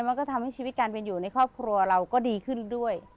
มันก็ทำให้ชีวิตการเป็นอยู่ในครอบครัวเราก็ดีขึ้นด้วย